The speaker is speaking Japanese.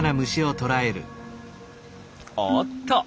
おっと！